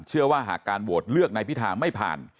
เชื่อว่าหากการโหวตเลือกนายพิธาไม่ผ่าน